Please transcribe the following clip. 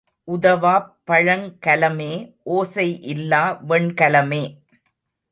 உதவாப் பழங்கலமே, ஓசை இல்லா வெண்கலமே.